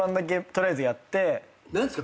何ですか？